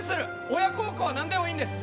親孝行、何でもいいんです。